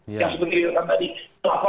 yang seperti yang tadi